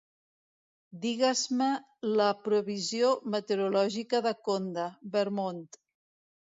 Digues-me la previsió meteorològica de Conda, Vermont.